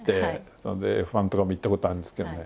なのでＦ１とかも行ったことあるんですけどね。